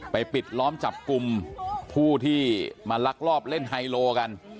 ปิดล้อมจับกลุ่มผู้ที่มาลักลอบเล่นไฮโลกัน